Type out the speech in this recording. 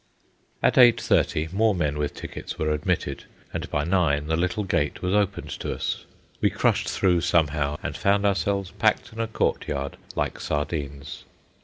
At eight thirty, more men with tickets were admitted, and by nine the little gate was opened to us. We crushed through somehow, and found ourselves packed in a courtyard like sardines.